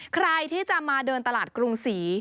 ใครที่จะมาเดินตลาดกรุงศรี